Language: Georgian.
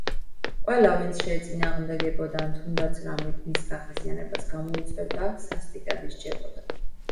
ყველა, ვინც შეეწინააღმდეგებოდა ან თუნდაც რამით მის გაღიზიანებას გამოიწვევდა, სასტიკად ისჯებოდა.